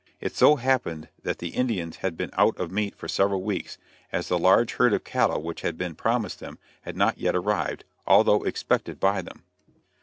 It so happened that the Indians had been out of meat for several weeks, as the large herd of cattle which had been promised them had not yet arrived, although expected by them.